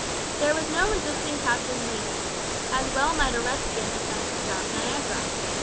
There was no resisting Captain Lee. As well might a red skin attempt to stop Niagara.